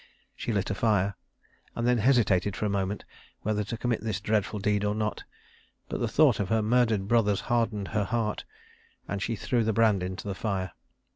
She lit a fire, and then hesitated for a moment whether to commit this dreadful deed or not; but the thought of her murdered brothers hardened her heart, and she threw the brand into the fire.